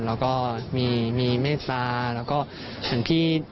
แล้วก็มีเมตตาแล้วก็เหมือนพี่